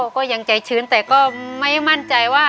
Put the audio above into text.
ก็ยังใจชื้นแต่ก็ไม่มั่นใจว่า